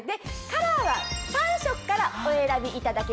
カラーは３色からお選びいただけます。